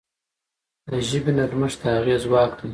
د ژبې نرمښت د هغې ځواک دی.